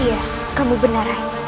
iya kamu benar